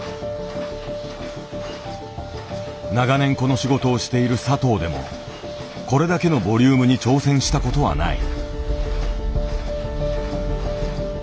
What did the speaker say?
長年この仕事をしている佐藤でもこれだけのボリュームに挑戦した事はない。